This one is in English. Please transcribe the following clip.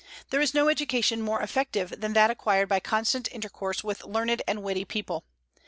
There is no education more effective than that acquired by constant intercourse with learned and witty people.